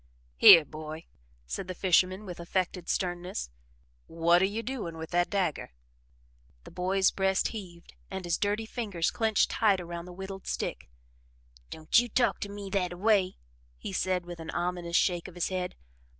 "Here, boy," said the fisherman with affected sternness: "What are you doing with that dagger?" The boy's breast heaved and his dirty fingers clenched tight around the whittled stick. "Don't you talk to me that a way," he said with an ominous shake of his head.